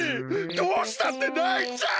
どうしたってないちゃう！